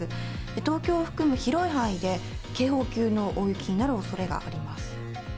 東京を含む広い範囲で、警報級の大雪になるおそれがあります。